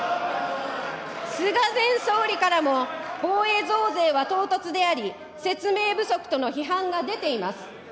菅前総理からも、防衛増税は唐突であり説明不足との批判が出ています。